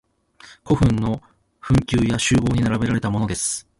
古墳の墳丘や周濠に並べられたものです。